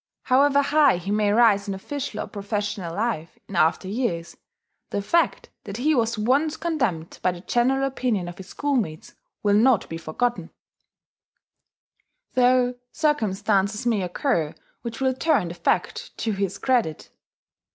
However high he may rise in official or professional life in after years, the fact that he was once condemned by the general opinion of his schoolmates will not be forgotten, though circumstances may occur which will turn the fact to his credit....